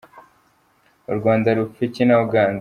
U Rwanda rupfa iki na Uganda?